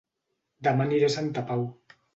Dema aniré a Santa Pau